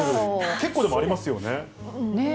結構でもありますよね。ねぇ。